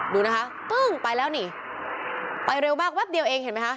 ดูนะคะปึ้งไปแล้วนี่ไปเร็วมากแป๊บเดียวเองเห็นไหมคะ